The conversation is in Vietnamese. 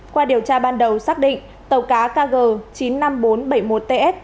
qua điều tra ban đầu xác định tàu cá kg chín mươi năm nghìn bốn trăm bảy mươi một ts